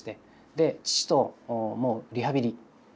で父ともうリハビリ。